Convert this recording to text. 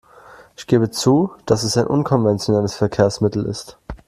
Ich gebe zu, dass es ein unkonventionelles Verkehrsmittel ist.